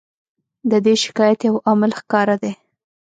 د دې شکایت یو عامل ښکاره دی.